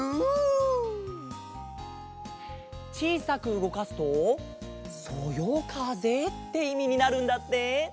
ちいさくうごかすと「そよかぜ」っていみになるんだって。